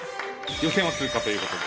予選は通過ということで。